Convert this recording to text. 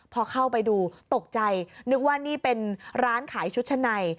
พอเข้าไปดูตกใจนึกว่านี่เป็นร้านขายชุดชั้นใน